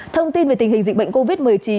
thông tin về tình hình dịch bệnh covid một mươi chín